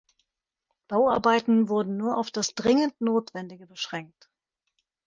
Bauarbeiten wurden nur auf das dringend Notwendige beschränkt.